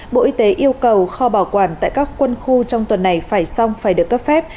bộ y tế yêu cầu kho bảo quản tại các quân khu trong tuần này phải xong phải được cấp phép